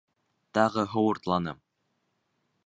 Тағы һыу уртланы.